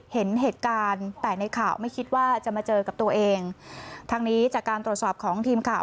เห็นเหตุการณ์แต่ในข่าวไม่คิดว่าจะมาเจอกับตัวเองทั้งนี้จากการตรวจสอบของทีมข่าว